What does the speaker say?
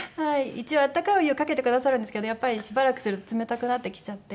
一応温かいお湯をかけてくださるんですけどやっぱりしばらくすると冷たくなってきちゃって。